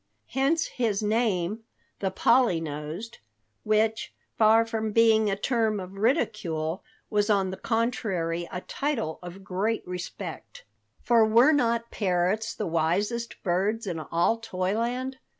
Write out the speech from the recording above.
Hence his name "The Polly Nosed" which, far from being a term of ridicule, was on the contrary, a title of great respect. For were not parrots the wisest birds in all Toyland?